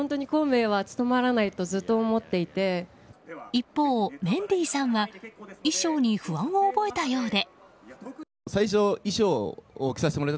一方、メンディーさんは衣装に不安を覚えたようで。